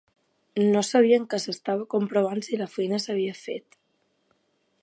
No sabien que s’estava comprovant si la feina s’havia fet.